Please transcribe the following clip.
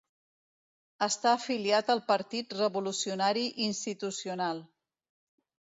Està afiliat al Partit Revolucionari Institucional.